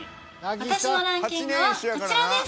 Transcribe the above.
私のランキングはこちらです。